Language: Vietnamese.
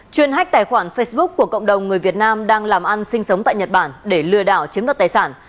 chuyên hách tài khoản facebook của cộng đồng người việt nam đang làm ăn sinh sống tại nhật bản để lừa đảo chiếm đoạt tài sản